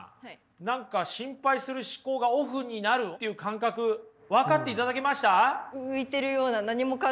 何か心配する思考がオフになるっていう感覚分かっていただけました？